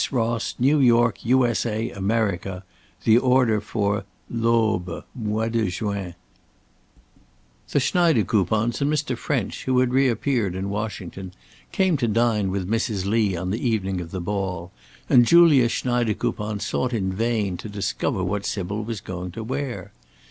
Ross, New York, U.S. America," the order for "L'Aube, Mois de Juin." The Schneidekoupons and Mr. French, who had reappeared in Washington, came to dine with Mrs. Lee on the evening of the ball, and Julia Schneidekoupon sought in vain to discover what Sybil was going to wear.